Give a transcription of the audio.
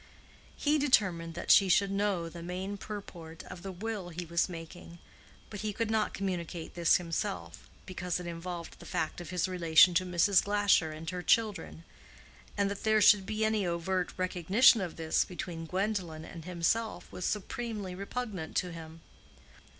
He determined that she should know the main purport of the will he was making, but he could not communicate this himself, because it involved the fact of his relation to Mrs. Glasher and her children; and that there should be any overt recognition of this between Gwendolen and himself was supremely repugnant to him.